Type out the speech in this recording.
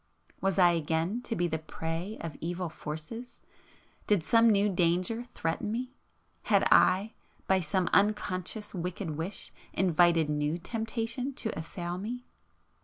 Was I again to be the prey of evil forces?——did some new danger [p 486] threaten me?—had I, by some unconscious wicked wish invited new temptation to assail me?